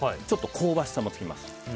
ちょっと香ばしさもつきます。